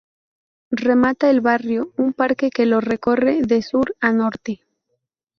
Remata el barrio un parque que lo recorre de sur a norte.